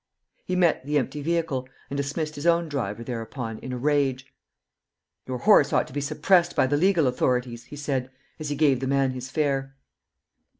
He met the empty vehicle, and dismissed his own driver thereupon in a rage. "Your horse ought to be suppressed by the legal authorities," he said, as he gave the man his fare.